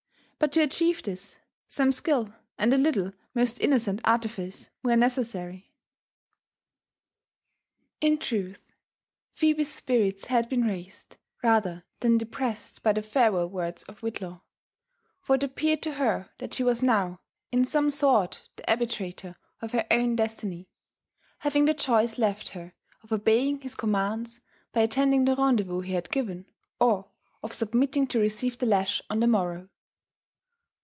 But to achieve this,. some skill and a little most innocent artifice were ne cessary. in truth, Phebe's spirits had been raised rather than depressed by the farewell words of Whillaw ; for it appeared to her that she was now in some sort the arbitrator of her own destiny, having the choice left her of obeying his commands by attending the rendezvous he had given, or of submitting to receive the lash on the morrow.